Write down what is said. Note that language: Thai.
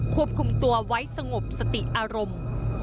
ควบคุมตัวไว้สงบสติอารมณ์